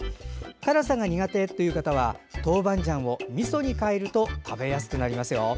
辛さが苦手という方はトーバンジャンをみそに変えると食べやすくなりますよ。